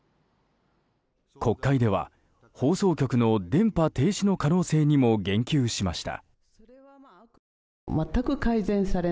国会では放送局の電波停止の可能性にも言及しました。